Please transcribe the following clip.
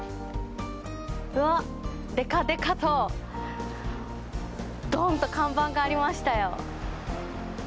うわっ、でかでかとどんと看板がありましたよ。